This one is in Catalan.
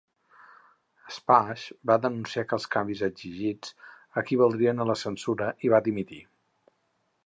Spash va denunciar que els canvis exigits equivaldrien a la censura i va dimitir.